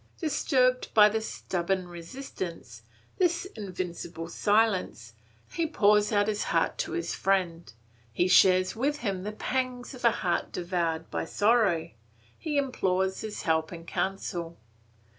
Disturbed by this stubborn resistance, this invincible silence, he pours out his heart to his friend. He shares with him the pangs of a heart devoured by sorrow; he implores his help and counsel.